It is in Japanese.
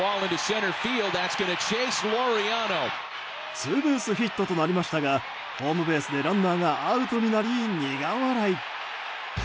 ツーベースヒットとなりましたがホームベースでランナーがアウトになり、苦笑い。